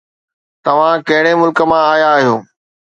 توهان ڪهڙي ملڪ مان آيا آهيو؟